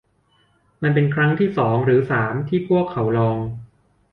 มันเป็นครั้งที่สองหรือสามที่พวกเขาลอง